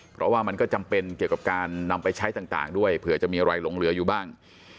เพราะว่ามันก็จำเป็นเกี่ยวกับการนำไปใช้ต่างด้วยเผื่อจะมีอะไรหลงเหลืออยู่บ้าง